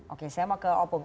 oke saya mau ke opung